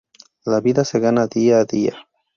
La vida se gana día a día".